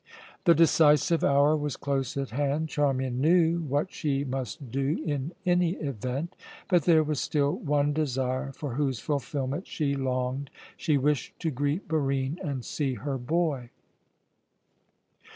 The decisive hour was close at hand. Charmian knew what she must do in any event, but there was still one desire for whose fulfilment she longed. She wished to greet Barine and see her boy.